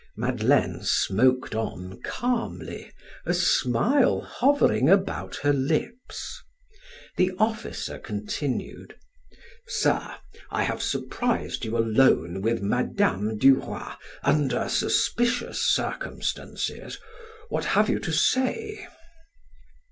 Madeleine smoked on calmly, a smile hovering about her lips. The officer continued: "Sir, I have surprised you alone with Mme. du Roy under suspicious circumstances; what have you to say?"